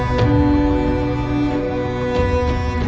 ขอบคุณค่ะ